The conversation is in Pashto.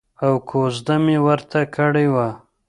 او کوزده مې ورته کړې وه.